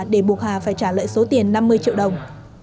để buộc hà phải trả lại số tiền năm mươi triệu đồng